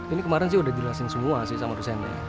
ini kemaren sih udah jelasin semua sih sama dosennya